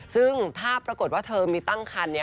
ซึ่งถ้าปรากฏว่าเธอมีตั้งคัน